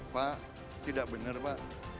pak tidak benar pak